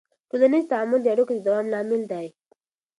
ټولنیز تعامل د اړیکو د دوام لامل دی.